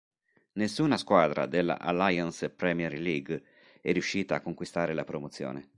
Nessuna squadra della Alliance Premier League è riuscita a conquistare la promozione.